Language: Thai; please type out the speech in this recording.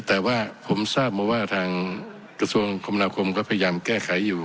แต่ว่าผมทราบมาว่าทางกระทรวงคมนาคมก็พยายามแก้ไขอยู่